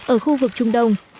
ở khu vực trung đông